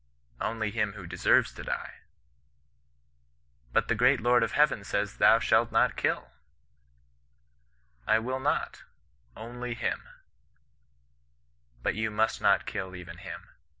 ' Only him who deserves to die.' —^ But the great Lord of Heaven says, thou shalt not hilV * I wiU not— only him^ — 'But you must not kill even him.